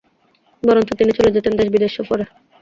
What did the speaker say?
বরঞ্চ তিনি চলে যেতেন দেশ বিদেশ সফরে।